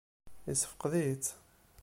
Yessefqed-itt?